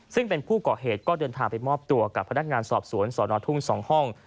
ซึ่งเป็นผู้ก่อเหตุก็เดินทางไปมอบตัวกับพนักงานสอบสวนสอนอทุ่ง๒ห้อง